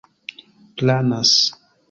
planas